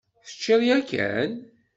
Teččiḍ yakan?